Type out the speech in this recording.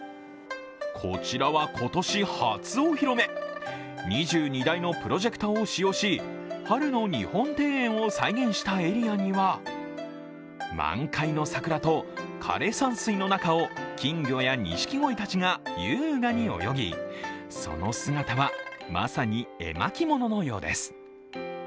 こちらは今年初お披露目２２台のプロジェクターを使用し春の日本庭園を再現したエリアには、満開の桜と枯れ山水の中を金魚や錦鯉たちが優雅に泳ぎその姿はまさに絵巻物のようです。